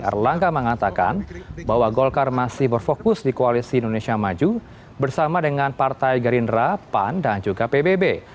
erlangga mengatakan bahwa golkar masih berfokus di koalisi indonesia maju bersama dengan partai gerindra pan dan juga pbb